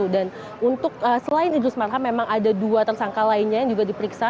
dan untuk selain idrus marham memang ada dua tersangka lainnya yang juga diperiksa